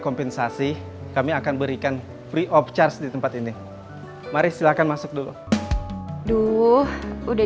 kompensasi kami akan berikan free of charge di tempat ini mari silahkan masuk dulu udah